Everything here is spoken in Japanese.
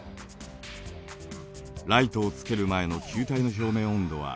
ライトをつける前の球体の表面温度は２２℃。